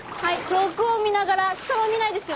遠くを見ながら下は見ないですよ。